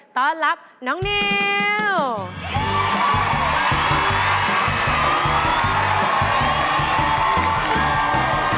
ต้อนรับน้องนิว